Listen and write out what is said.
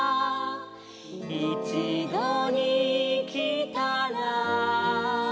「いちどにきたら」